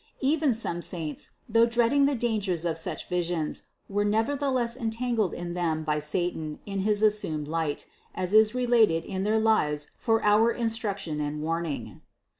Even some saints, though dreading the dangers of such visions, were nevertheless entangled in them by satan in his assumed light, as is related in their lives for our instruction and warning.